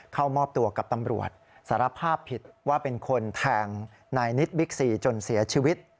เข้ามอบตัวกับตำรวจสารภาพผิดว่าเป็นคนแทงนายนิดบิ๊กซีจนเสียชีวิต